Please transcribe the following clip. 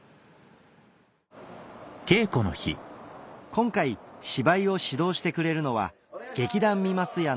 今回芝居を指導してくれるのは劇団「三桝屋」の市